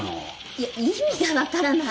いや意味がわからない。